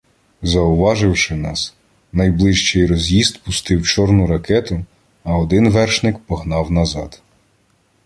Зауваживши нас, найближчий роз'їзд пустив чорну ракету, а один вершник погнав назад.